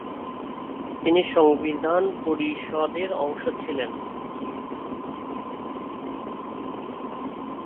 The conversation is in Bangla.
তিনি সংবিধান পরিষদের অংশ ছিলেন।